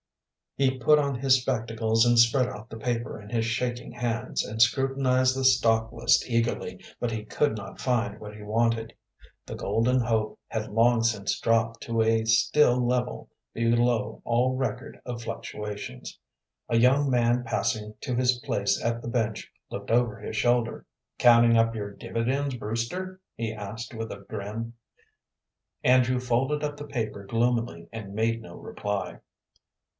He put on his spectacles, and spread out the paper in his shaking hands, and scrutinized the stock list eagerly, but he could not find what he wanted. The "Golden Hope" had long since dropped to a still level below all record of fluctuations. A young man passing to his place at the bench looked over his shoulder. "Counting up your dividends, Brewster?" he asked, with a grin. Andrew folded up the paper gloomily and made no reply.